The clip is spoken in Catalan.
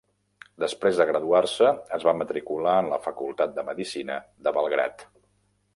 Després de graduar-se, es va matricular en la Facultat de Medicina de Belgrad.